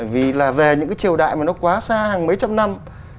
vì là về những cái triều đại mà nó quá xa hàng mấy trăm năm